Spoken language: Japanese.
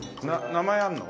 名前あるの？